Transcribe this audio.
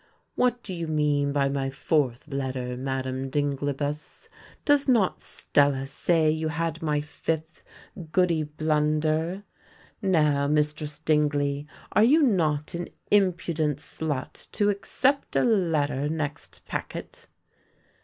"What do you mean by my fourth letter, Madam Dinglibus? Does not Stella say you had my fifth, goody Blunder?" "Now, Mistress Dingley, are you not an impudent slut to except a letter next packet?